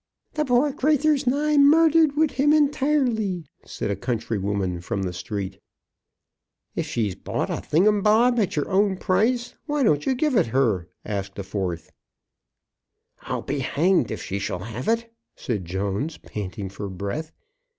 "The poor crathur's nigh murthered wid him intirely," said a countrywoman from the street. "If she's bought the thingumbob at your own price, why don't you give it her?" asked a fourth. "I'll be hanged if she shall have it!" said Jones, panting for breath.